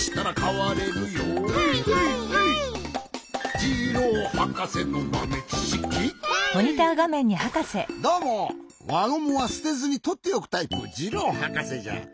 わごむはすてずにとっておくタイプジローはかせじゃ。